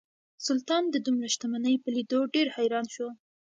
سلطان د دومره شتمنۍ په لیدو ډیر حیران شو.